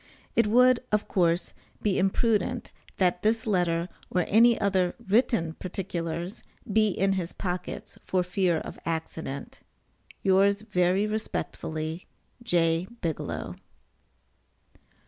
It would, of course, be imprudent, that this letter, or any other written particulars, be in his pockets for fear of accident. Yours very respectfully, J. BIGELOW.